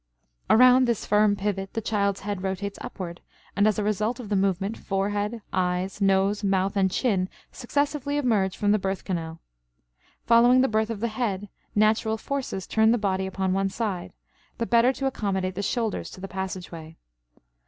Around this firm pivot the child's head rotates upward, and, as a result of the movement, forehead, eyes, nose, mouth, and chin successively emerge from the birth canal. Following the birth of the head, natural forces turn the body upon one side, the better to accommodate the shoulders to the passageway.